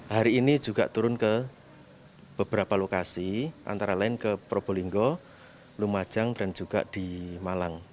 hari ini juga turun ke beberapa lokasi antara lain ke probolinggo lumajang dan juga di malang